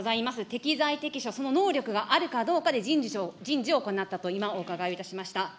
適材適所、その能力があるかどうかで人事を行ったと今、お伺いをいたしました。